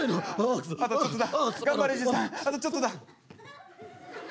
あとちょっとだ。